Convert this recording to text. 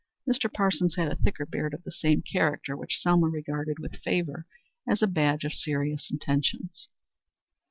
Mr. Parsons had a thicker beard of the same character, which Selma regarded with favor as a badge of serious intentions.